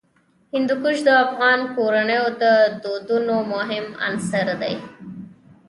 هندوکش د افغان کورنیو د دودونو مهم عنصر دی.